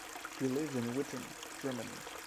He lives in Witten, Germany.